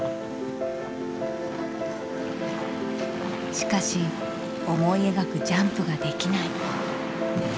しかし思い描くジャンプができない。